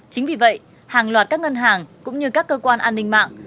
chính vì vậy hàng loạt các ngân hàng cũng như các cơ quan an ninh mạng